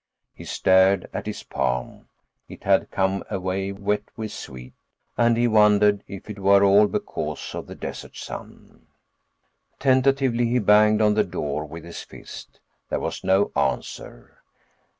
He stared at his palm—it had come away wet with sweat, and he wondered if it were all because of the desert sun. Tentatively, he banged on the door with his fist. There was no answer.